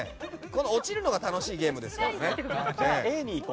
落ちるのが楽しいゲームですからね。